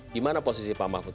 gimana posisi pak mahfud